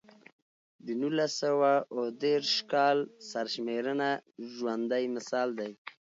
د نولس سوه اووه دېرش کال سرشمېرنه ژوندی مثال دی.